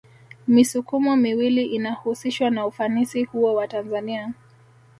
Misukumo miwili inahusishwa na ufanisi huo wa Tanzania